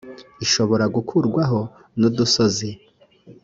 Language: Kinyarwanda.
ishobora gukurwaho n udusozi